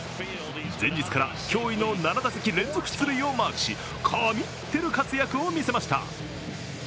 前日から驚異の７打席連続出塁をマークし、神ってる活躍を見せました。